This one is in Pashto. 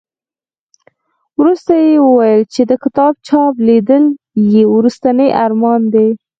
ورور ته یې ویل چې د کتاب چاپ لیدل یې وروستنی ارمان دی.